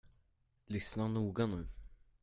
Lyssna noga nu.